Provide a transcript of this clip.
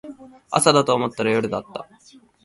朝だと思ったら夜だった